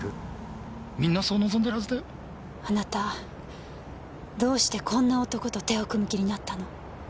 あなたどうしてこんな男と手を組む気になったの？